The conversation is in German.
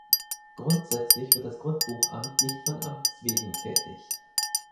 Grundsätzlich wird das Grundbuchamt nicht von Amts wegen tätig.